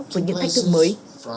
với những thành tựu mới